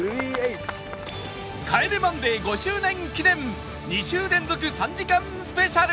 『帰れマンデー』５周年記念２週連続３時間スペシャル